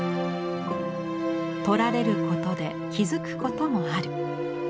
撮られることで気付くこともある。